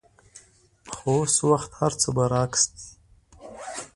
خو اوس وخت هرڅه برعکس دي.